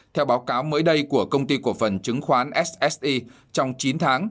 theo báo cáo mới đây của công ty cổ phần chứng khoán sse trong chín tháng